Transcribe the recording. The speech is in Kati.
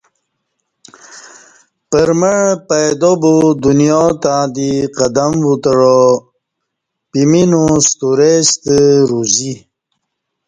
پرمع پیدابا دنیاتہ دی قدم وُتعا پمینو سترے ستہ روزی